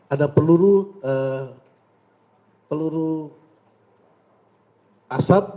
ada peluru asap